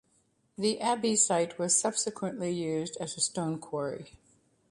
The abbey site was subsequently used as a stone quarry.